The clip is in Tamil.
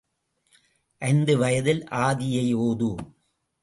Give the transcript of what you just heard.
ஐந்து வயதில் ஆதியை ஓது.